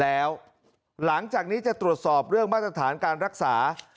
แล้วหลังจากนี้จะตรวจสอบเรื่องมาตรฐานการรักษา